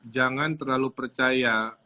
jangan terlalu percaya